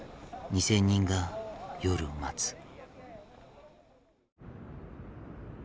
２，０００人が夜を待つ。